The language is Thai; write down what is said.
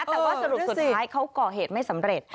แต่ว่าสรุปสุดท้ายเขาก่อเหตุไม่สำเร็จ